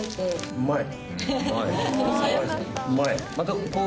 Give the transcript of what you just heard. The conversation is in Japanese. うまい。